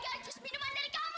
aku harus cari bantuan